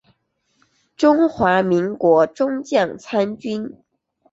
中华民国中将参军。